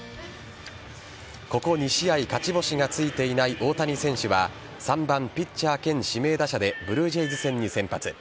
ここ２試合勝ち星がついていない大谷選手は３番・ピッチャー兼指名打者でブルージェイズ戦に先発。